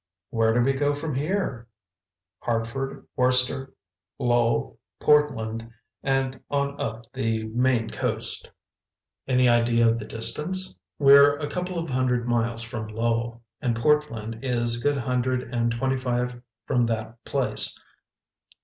"Where do we go from here?" "Hartford, Worcester, Lowell, Portland and on up the Maine coast." "Any idea of the distance?" "We're a couple of hundred miles from Lowell, and Portland is a good hundred and twenty five from that place.